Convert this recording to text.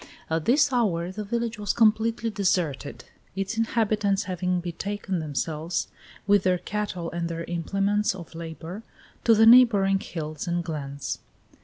At this hour the village was completely deserted, its inhabitants having betaken themselves, with their cattle and their implements of labor, to the neighboring hills and glens.